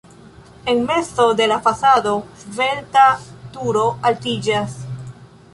En mezo de la fasado svelta turo altiĝas.